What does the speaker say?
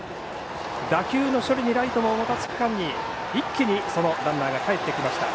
打球の処理にライトがもたつく間に一気にそのランナーがかえってきました。